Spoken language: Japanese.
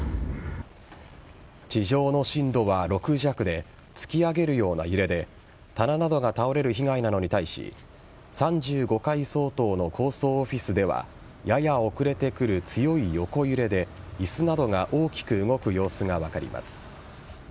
地上の震度は６弱で突き上げるような揺れで棚などが倒れる被害などに対し３５階相当の高層オフィスではやや遅れてくる強い横揺れで椅子などが大きく動く様子が分かります。